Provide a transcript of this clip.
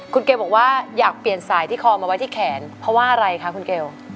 คุณเกลบอกว่าอยากเปลี่ยนสายที่คอมาไว้ที่แขนเพราะว่าอะไรคะคุณเกล